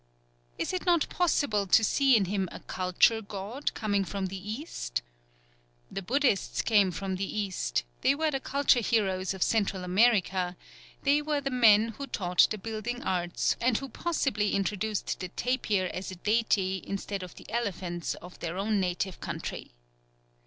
Is it not possible to see in him a culture god coming from the East? The Buddhists came from the East; they were the culture heroes of Central America; they were the men who taught the building arts and who possibly introduced the tapir as a deity instead of the elephant of their native country.